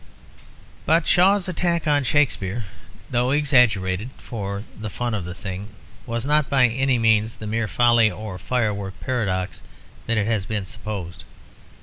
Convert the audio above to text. But Shaw's attack on Shakespeare, though exaggerated for the fun of the thing, was not by any means the mere folly or firework paradox that has been supposed.